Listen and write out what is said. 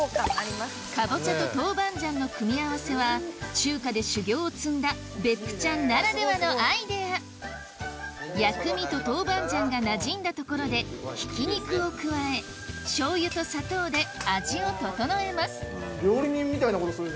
かぼちゃと豆板醤の組み合わせは中華で修業を積んだ別府ちゃんならではのアイデア薬味と豆板醤がなじんだところで料理人みたいなことする。